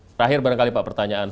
soal hasil survei sekarang sekarang ini